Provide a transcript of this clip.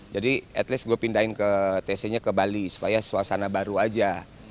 jadi at least gue pindahin tc nya ke bali supaya suasana baru aja